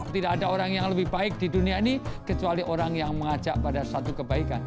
tidak ada orang yang lebih baik di dunia ini kecuali orang yang mengajak pada satu kebaikan